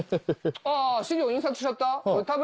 あぁ資料印刷しちゃった？